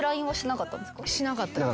しなかったです。